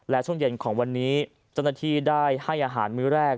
และช่วงเย็นของวันนี้เจ้าหน้าที่ได้ให้อาหารมื้อแรก